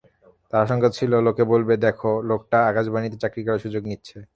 তাঁর আশঙ্কা ছিল লোকে বলবে—দ্যাখো, লোকটা আকাশবাণীতে চাকরি করার সুযোগ নিচ্ছে।